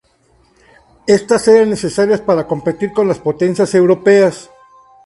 Estas eran necesarias para competir con las potencias europeas.